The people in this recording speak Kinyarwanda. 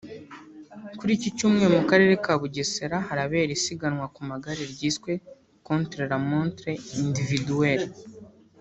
Kuri iki cyumweru mu karere ka Bugesera harabera isiganwa ku magare ryiswe « Contre la montre individuel »